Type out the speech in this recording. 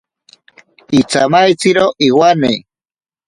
Itsamaitziro iwane.